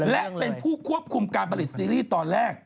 และเป็นผู้ควบคุมการผลิตซีรีส์ตอนแรก